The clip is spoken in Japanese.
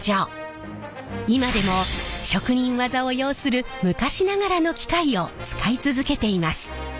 今でも職人技を要する昔ながらの機械を使い続けています。